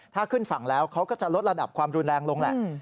ถ้าขึ้นฝั่งแล้วเขาก็จะลดระดับความรุนแรงลงแหละ